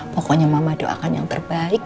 pokoknya mama doakan yang terbaik